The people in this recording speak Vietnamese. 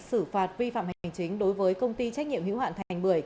xử phạt vi phạm hành chính đối với công ty trách nhiệm hữu hạn thành một mươi